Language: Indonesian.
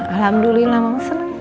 alhamdulillah mama senang